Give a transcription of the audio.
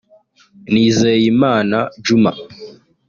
Nizeyimana Djuma